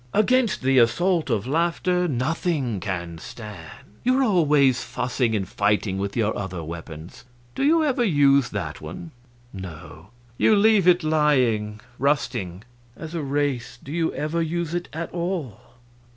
Against the assault of laughter nothing can stand. You are always fussing and fighting with your other weapons. Do you ever use that one? No; you leave it lying rusting. As a race, do you ever use it at all?